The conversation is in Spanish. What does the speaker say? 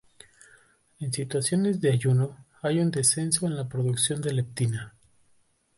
En situaciones de ayuno, hay un descenso en la producción de leptina.